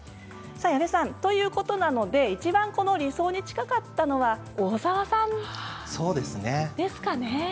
矢部さん、ということなのでいちばんこの理想に近かったのはそうですね。